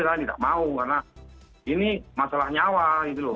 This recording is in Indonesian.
saya tidak mau karena ini masalah nyawa gitu loh